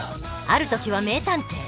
ある時は名探偵。